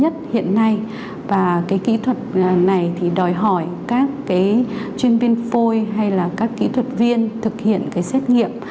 và kỹ thuật này thì đòi hỏi các chuyên viên phôi hay là các kỹ thuật viên thực hiện cái xét nghiệm